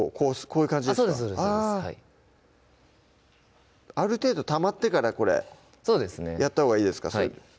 そうですそうですある程度たまってからこれやったほうがいいですか？